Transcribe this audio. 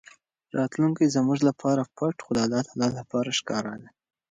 راتلونکی زموږ لپاره پټ خو د الله لپاره ښکاره دی.